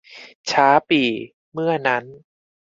ช้าปี่ เมื่อนั้น